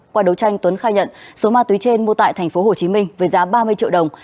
qua đấu tranh tuấn khai nhận số ma túy trên mua tại tp hcm với giá ba mươi triệu đồng